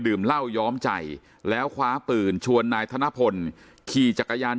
เหล้าย้อมใจแล้วคว้าปืนชวนนายธนพลขี่จักรยาน